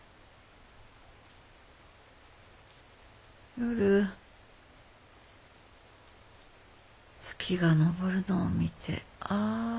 夜月が昇るのを見てああ